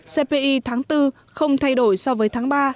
cpi tháng bốn không thay đổi so với tháng ba